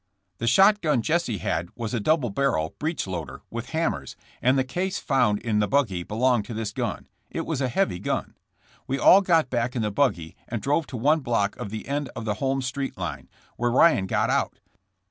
''The shotgun Jesse had was a double barrel, breech loader, with hammers, and the case found in the buggy belonged to this gun. It was a heavy gun. *'We all got back in the buggy and drove to one block of the end of the Holmes street line, where Ryan got out.